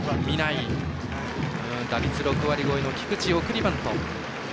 打率６割超えの菊地送りバント。